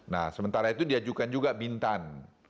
nah sementara itu diajukan juga bintan